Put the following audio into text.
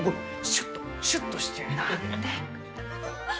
シュッとシュッとしちゅう！